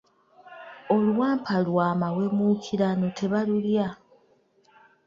Oluwampa lw'amawemukirano tebalulya.